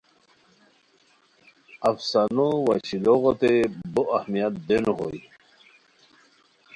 افسانو وا شیلوغوتے بو ا ہمیت دیونو بوئے